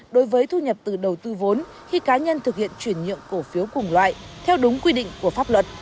đối với thu nhập từ đầu tư vốn khi cá nhân thực hiện chuyển nhượng cổ phiếu cùng loại theo đúng quy định của pháp luật